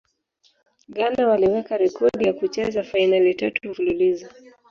ghana waliweka rekodi ya kucheza fainali tatu mfululizo